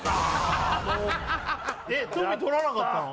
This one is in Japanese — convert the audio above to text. えっトミー取らなかったの？